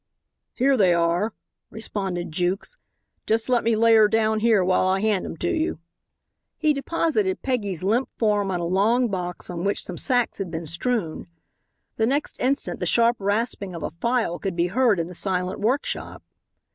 "Here they are," responded Jukes; "just let me lay her down here while I hand 'em to you." He deposited Peggy's limp form on a long box on which some sacks had been strewn. The next instant the sharp rasping of a file could be heard in the silent workshop.